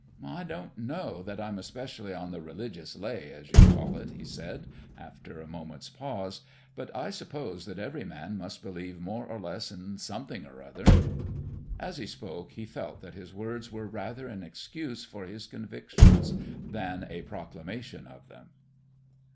"I don't know that I'm especially on the 'religious lay,' as you call it," he said, after a moment's pause; "but I suppose that every man must believe more or less in something or other." As he spoke he felt that his words were rather an excuse for his convictions than a proclamation of them.